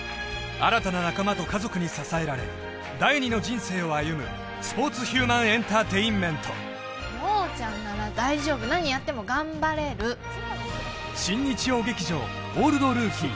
新たな仲間と家族に支えられ第２の人生を歩むスポーツヒューマンエンターテインメント亮ちゃんなら大丈夫何やっても頑張れる新日曜劇場「オールドルーキー」